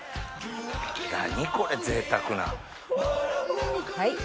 何これぜいたくな。